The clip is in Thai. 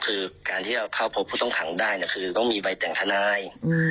คือการที่เราเข้าพบผู้ต้องขังได้คือต้องมีใบแต่งทนาย